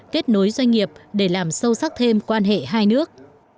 kết nối doanh nghiệp để làm sâu sắc thêm quan hệ hai nước